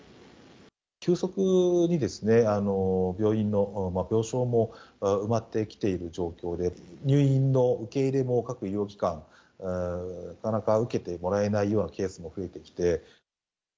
急速に病院の病床も埋まってきている状況で、入院の受け入れも各医療機関、なかなか受けてもらえないようなケースも増えてきて。